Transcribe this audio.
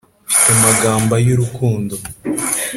mfite amagambo ayu rukundo